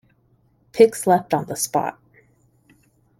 Pix left on the spot.